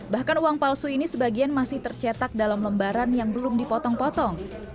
bahkan uang palsu ini sebagian masih tercetak dalam lembaran yang belum dipotong potong